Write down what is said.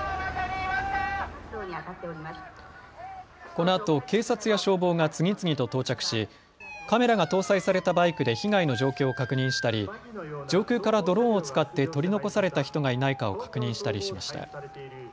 このあと警察や消防が次々と到着しカメラが搭載されたバイクで被害の状況を確認したり上空からドローンを使って取り残された人がいないかを確認したりしました。